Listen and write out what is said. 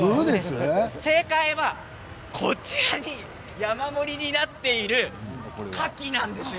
正解はこちらに山盛りになっているかきなんです。